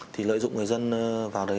thì lợi dụng người dân vào đấy